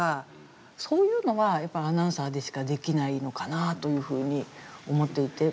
そういうのはやっぱりアナウンサーでしかできないのかなというふうに思っていて。